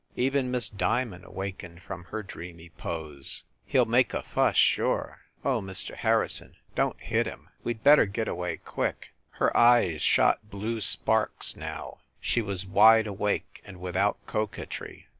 Even Miss Diamond awakened from her dreamy pose. "He ll make a fuss, sure! Oh, Mr. Har rison, don t hit him ! We d better get away quick !" Her eyes shot blue sparks, now; she was wide awake and without coquetry.